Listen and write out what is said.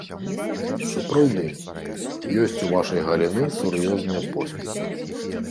Сапраўды, ёсць у вашай галіны сур'ёзныя поспехі.